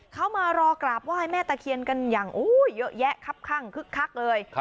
เขามารอกราบว่าให้ไม้ตะเขียนกันอย่างเยอะแยะคับคั่งคึกคักเลย